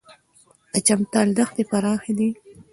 د چمتال دښتې پراخې دي